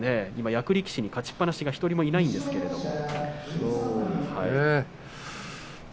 役力士に勝ちっぱなしは１人もいないんですけれども。